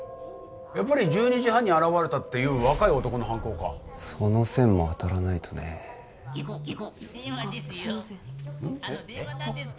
やっぱり１２時半に現れたっていう若い男の犯行かその線も当たらないとねゲコゲコ電話ですよ